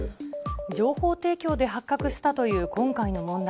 情報提供で発覚したという、今回の問題。